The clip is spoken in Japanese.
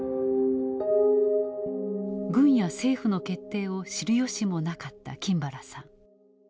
軍や政府の決定を知る由もなかった金原さん。